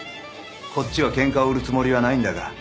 こっちは喧嘩を売るつもりはないんだが。